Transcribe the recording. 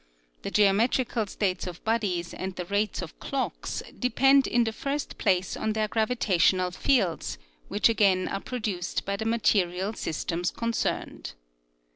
The geometrical states of bodies 10 SCIENCE [N. S. Vox,. LI. No. 1305 and the rates of clocks depend in the first place on their gravitational fields, which again are produced by the material systems con cerned.